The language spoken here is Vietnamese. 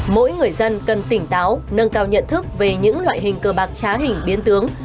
mỗi người dân cần tỉnh táo nâng cao nhận thức về những loại hình cờ bạc trá hình biến tướng